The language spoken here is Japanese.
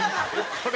これ。